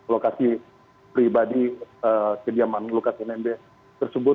lokasi pribadi kediaman lukas nmb tersebut